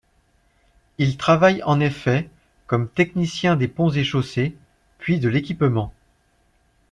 Il travaille en effet comme technicien des Ponts et Chaussées, puis de l'Équipement.